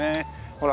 ほら。